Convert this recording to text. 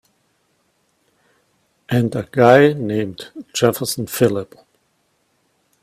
And a guy named Jefferson Phillip.